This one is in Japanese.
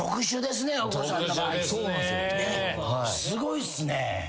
すごいっすね。